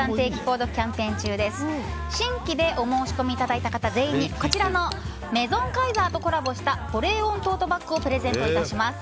新規でお申し込みいただいた方全員にこちらのメゾンカイザーとコラボした保冷温トートバッグをプレゼントいたします。